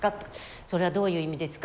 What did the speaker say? それはどういう意味ですか？